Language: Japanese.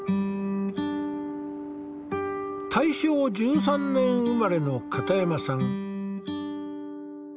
大正１３年生まれの片山さん。